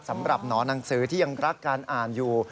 สำหรับหนอนังสือที่ยังรักการอ่านอยู่